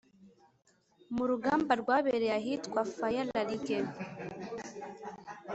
mu rugamba rwabereye ahitwa Faya-Largeau